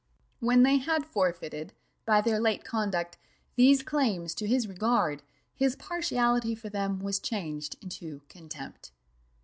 When they had forfeited, by their late conduct, these claims to his regard, his partiality for them was changed into contempt.